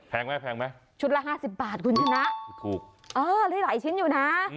แพงไหมชุดละ๕๐บาทคุณชนะหลายชิ้นอยู่นะ